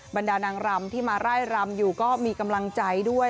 บรรดานางรำที่มาไล่รำอยู่ก็มีกำลังใจด้วย